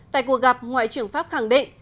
tại cuộc gặp ngoại trưởng pháp khẳng định